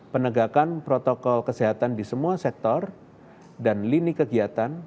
penegakan protokol kesehatan di semua sektor dan lini kegiatan